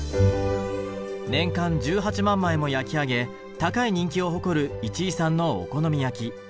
年間１８万枚も焼き上げ高い人気を誇る市居さんのお好み焼き。